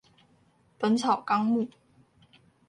本草綱目